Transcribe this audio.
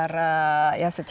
ya harus dibuka ya harus dibuka